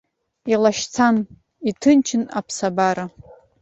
Илашьцан, иҭынчын аԥсабара.